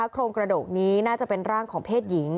โครงกระดูกนี้น่าจะเป็นร่างของเพศหญิง